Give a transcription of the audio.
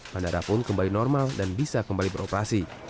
bandara pun kembali normal dan bisa kembali beroperasi